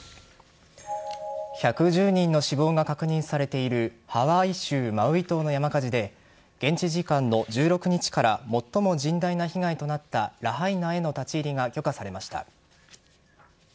１１０人の死亡が確認されているハワイ州マウイ島の山火事で現地時間の１６日から最も甚大な被害となったラハイナへの立ち入りが許可されました。